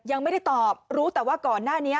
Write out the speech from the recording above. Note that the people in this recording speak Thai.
ยังไม่ได้ตอบรู้แต่ว่าก่อนหน้านี้